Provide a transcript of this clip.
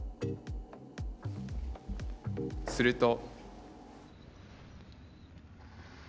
すると。